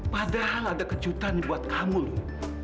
padahal ada kejutan buat kamu loh